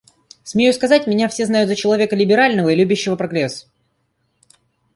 Смею сказать, меня все знают за человека либерального и любящего прогресс.